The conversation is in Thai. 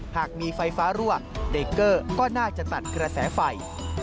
หากมีไฟฟ้ารั่วเดเกอร์ก็น่าจะตัดกระแสไฟ